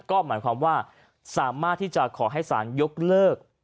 ก็หมายความว่าสามารถที่จะขอให้สารยกเลิก